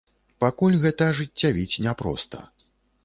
Пакуль гэта ажыццявіць няпроста.